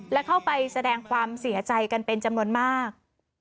และเข้าไปแสดงความเสียใจกันเป็นจำนวนมาก